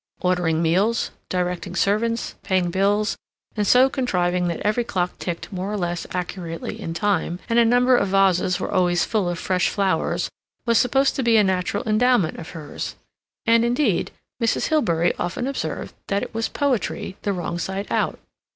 Ordering meals, directing servants, paying bills, and so contriving that every clock ticked more or less accurately in time, and a number of vases were always full of fresh flowers was supposed to be a natural endowment of hers, and, indeed, Mrs. Hilbery often observed that it was poetry the wrong side out.